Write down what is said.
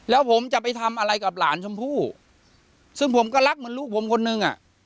แล้วผมจะไปทำอะไรกับหลานชมพู่ซึ่งผมก็รักเหมือนลูกผมคนนึงอ่ะ